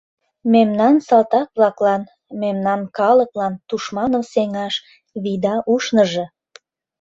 — Мемнан салтак-влаклан, мемнан калыклан тушманым сеҥаш вийда ушныжо!